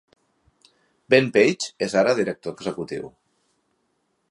Ben Page ara és director executiu.